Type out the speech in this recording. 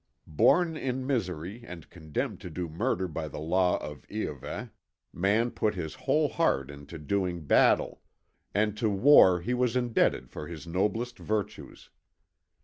Born in misery and condemned to do murder by the law of Iahveh, man put his whole heart into doing battle, and to war he was indebted for his noblest virtues.